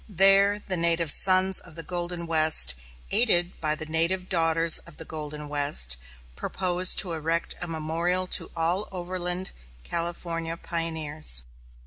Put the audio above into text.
There the Native Sons of the Golden West, aided by the Native Daughters of the Golden West, propose to erect a memorial to all overland California pioneers.